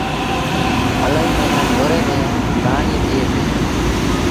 الهيٚ موهيݩآ ڍوري ميݩ پڻيٚ بيٚهي دو۔